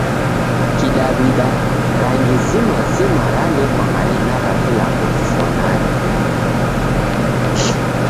Kidaw'ida, rangi zima zima ranekwa marina gha vilambo vifwanane.